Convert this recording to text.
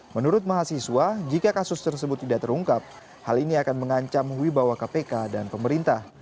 menurut mahasiswa jika kasus tersebut tidak terungkap hal ini akan mengancam wibawa kpk dan pemerintah